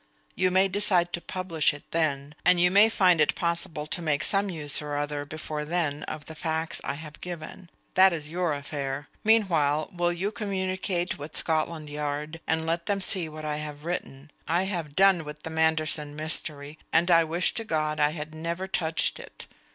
You may decide to publish it then; and you may find it possible to make some use or other before then of the facts I have given. That is your affair. Meanwhile, will you communicate with Scotland Yard, and let them see what I have written? I have done with the Manderson mystery, and I wish to God I had never touched it.